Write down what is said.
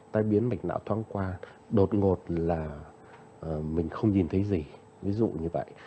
tai biến mạch não thoáng qua đột ngột là mình không nhìn thấy gì ví dụ như vậy